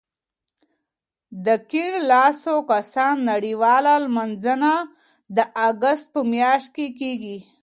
د کیڼ لاسو کسانو نړیواله لمانځنه د اګست په میاشت کې کېږي.